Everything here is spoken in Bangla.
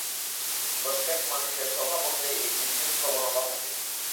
প্রত্যেক মানুষের স্বভাব অনুযায়ী একটি বিশেষ প্রবণতা থাকে।